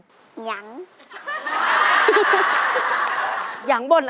ตัวเลือกที่สอง๘คน